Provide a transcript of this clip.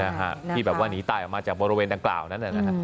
ที่แบบว่าหนีตายออกมาจากบริเวณดังกล่าวนั้นนะฮะ